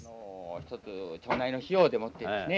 ひとつ町内の費用でもってですね